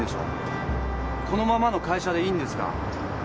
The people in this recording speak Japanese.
このままの会社でいいんですか？